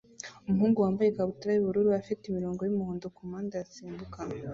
Umuhungu wambaye ikabutura yubururu afite imirongo yumuhondo kumpande arasimbuka